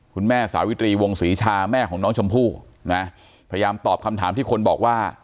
คุณแม่สาวิตรีวงศรีชาแม่ของน้องชมพู่นะพยายามตอบคำถามที่คนบอกว่า